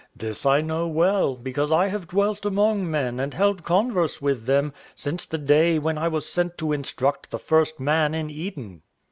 This I know well, because I have dwelt among men and held converse with them since the day when I was sent to instruct the first man in Eden."